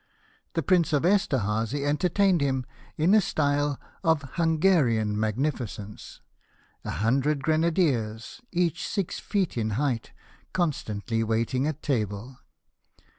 The Prince of Esterhazy entertained him in a style of Hungarian magnificence — a hundred grenadiers, each six feet in height, constantly waiting at table.